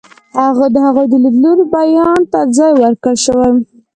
د هغوی د لیدلوري بیان ته ځای ورکړل شوی.